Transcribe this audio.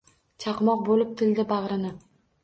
Chaqmoq boʼlib tildi bagʼrini.